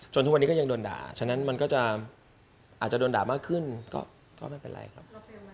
ทุกวันนี้ก็ยังโดนด่าฉะนั้นมันก็จะอาจจะโดนด่ามากขึ้นก็ไม่เป็นไรครับ